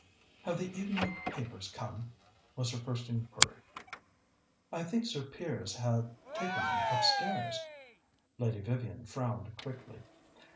"Have the evening papers come?" was her first inquiry. "I think Sir Piers had them taken upstairs." Lady Vivian frowned quickly.